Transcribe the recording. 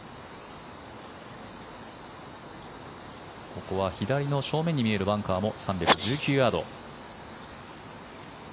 ここは左の正面に見えるバンカーも３１９ヤード。